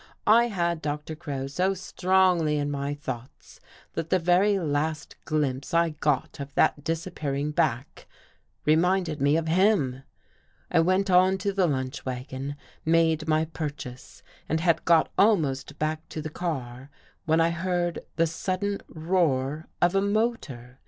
I had Doctqr Crow so strongly in my thoughts, that the very last glimpse I got of that disappearing back, reminded me of him. I went on to the lunch wagon, made my pur chase, and had got almost back to the car, when I heard the sudden roar of a motor.